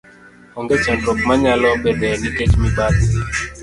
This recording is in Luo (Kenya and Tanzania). onge chandruok ma nyalo bedoe nikech mibadhi.